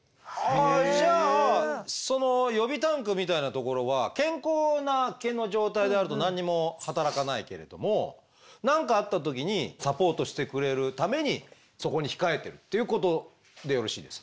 じゃあその予備タンクみたいなところは健康な毛の状態であると何にも働かないけれども何かあった時にサポートしてくれるためにそこに控えてるということでよろしいですか？